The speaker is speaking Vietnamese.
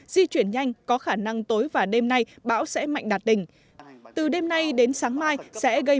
di chuyển nhanh có khả năng tối và đêm nay bão sẽ mạnh đạt đỉnh từ đêm nay đến sáng mai sẽ gây